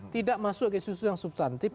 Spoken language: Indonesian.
tidak masuk ke isu isu yang substantif